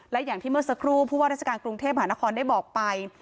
และอย่างที่เมื่อสักครู่ผู้ว่าราชการกรุงเทพหานครได้บอกไป